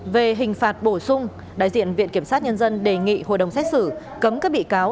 về hình phạt bổ sung đại diện viện kiểm sát nhân dân đề nghị hội đồng xét xử cấm các bị cáo